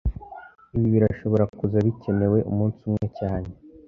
Ibi birashobora kuza bikenewe umunsi umwe cyane